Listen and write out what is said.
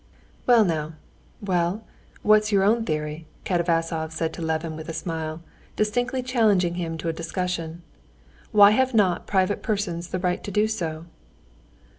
"Well now, well, what's your own theory?" Katavasov said to Levin with a smile, distinctly challenging him to a discussion. "Why have not private persons the right to do so?"